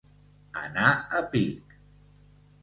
Anar a pic.